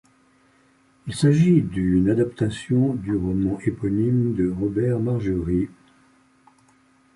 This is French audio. Il s'agit d'une adaptation du roman éponyme de Robert Margerit.